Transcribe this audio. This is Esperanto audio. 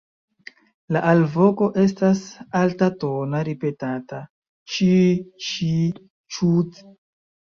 La alvoko estas altatona ripetata "ĉii-ĉii-ĉuut".